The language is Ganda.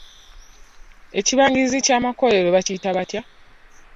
Ekibangirizi ky'amakolero bakiyita batya?